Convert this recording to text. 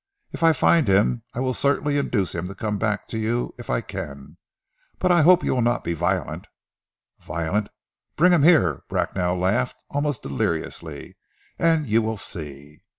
"If I find him, I will certainly induce him to come back to you, if I can. But I hope you will not be violent " "Violent! Bring him here," Bracknell laughed almost deliriously, "and you will see."